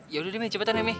yaudah deh mi cepetan ya mi